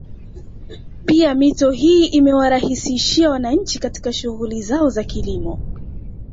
Pia mito hii imewaraisishia wananchi katika shughuli zao za kilimo